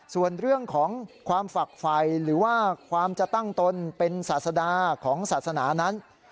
ส่วนเรื่องของความฝักไฟหรือว่าความจะตั้งตนเป็นศาสดาของศาสนานั้น